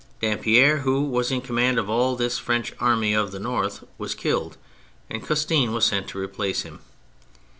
Dampierre, who was in command of all this French " Army of the North," was killed, and Custine was sent to replace him.